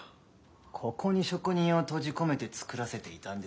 ここに職人を閉じ込めて造らせていたんですね。